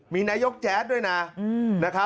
มีนายกแจ๊ดด้วยนะ